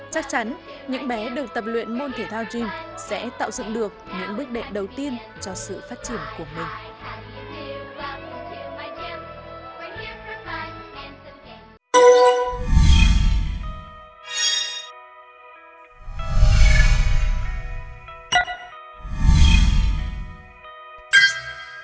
chắc chắn những bé được tập luyện môn thể thao gym sẽ tạo dựng được những bước đệ đầu tiên cho sự phát triển của mình